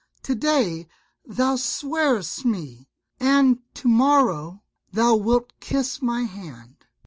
To day thou swearest me, and to morrow thou wilt kiss my hand."